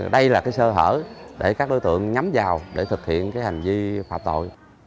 đây là sơ hở để các đối tượng nhắm vào để thực hiện hành vi phạm tội